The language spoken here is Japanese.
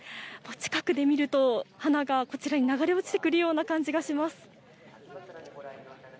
近くで見ると花がこちらに流れ落ちてくるような感じがします。